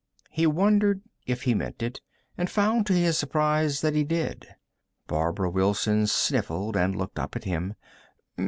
He wondered if he meant it, and found, to his surprise, that he did. Barbara Wilson sniffled and looked up at him.